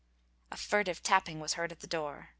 A furtive tapping was heard at the door.